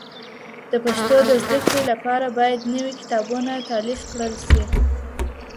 د پښتو د زده کړې لپاره باید نوي کتابونه تالیف کړل سي.